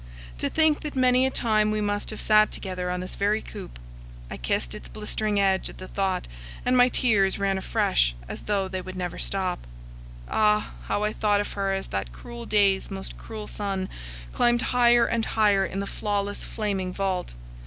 To think that many a time we must have sat together on this very coop! I kissed its blistering edge at the thought, and my tears ran afresh, as though they never would stop. Ah! how I thought of her as that cruel day's most cruel sun climbed higher and higher in the flawless flaming vault.